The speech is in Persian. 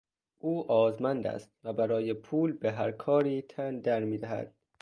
او آزمند است و برای پول به هر کاری تن در میدهد.